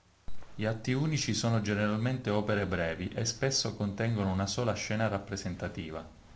Gli atti unici sono generalmente opere brevi, e spesso contengono una sola scena rappresentativa.